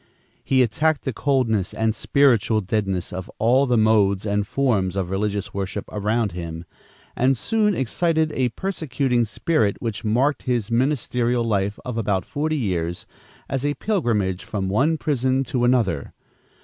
He attacked the coldness and spiritual deadness of all the modes and forms of religious worship around him, and soon excited a persecuting spirit which marked his ministerial life of about forty years as a pilgrimage from one prison to another.